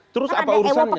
terus apa urusannya